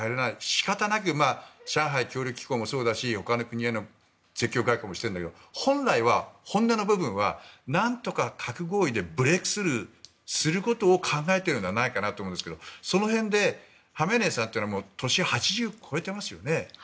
仕方なく上海協力機構もそうだし他国への積極外交もしているんだけど本来は、何とか核合意でブレークスルーすることを考えているんじゃないかなと思うんですがその辺で、ハメネイさんは年が８０を超えてますよね。